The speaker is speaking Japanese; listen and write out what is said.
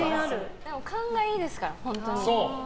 でも勘がいいですから、本当に。